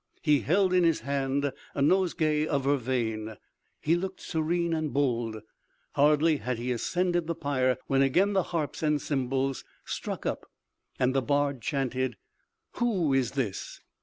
He held in his hand a nosegay of vervain. He looked serene and bold. Hardly had he ascended the pyre, when again the harps and cymbals struck up, and the bard chanted: "Who is this?